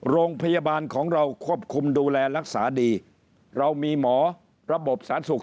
โรงพยาบาลของเราควบคุมดูแลรักษาดีเรามีหมอระบบสาธารณสุข